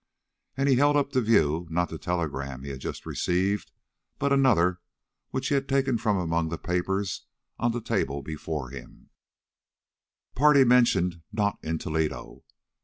And he held up to view, not the telegram he had just received, but another which he had taken from among the papers on the table before him: "Party mentioned not in Toledo.